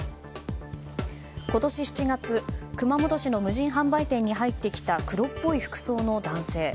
今年７月、熊本市の無人販売店に入ってきた黒っぽい服装の男性。